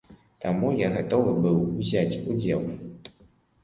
Таму я гатовы быў узяць удзел.